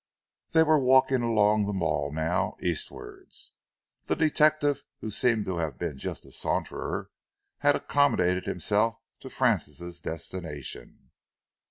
They were walking along the Mall now, eastwards. The detective, who seemed to have been just a saunterer, had accommodated himself to Francis' destination.